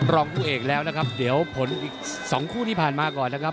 รองผู้เอกแล้วนะครับเดี๋ยวผลอีก๒คู่ที่ผ่านมาก่อนนะครับ